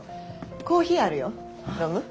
コーヒーあるよ。飲む？